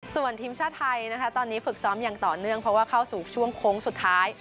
ส่วนทีมชาติไทยนะคะตอนนี้ฝึกซ้อมอย่างต่อเนื่องเพราะว่าเข้าสู่ช่วงโค้งสุดท้าย